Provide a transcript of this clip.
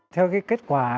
theo cái kết quả